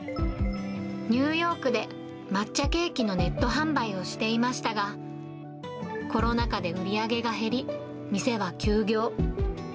ニューヨークで抹茶ケーキのネット販売をしていましたが、コロナ禍で売り上げが減り、店は休業。